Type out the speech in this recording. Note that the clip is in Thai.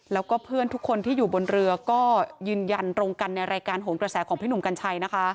แล้วก็เพื่อนทุกคนที่อยู่บนเรือก็ยืนยันตรงกันในรายการโหนกระแสของพี่หนุ่มกัญชัยนะคะ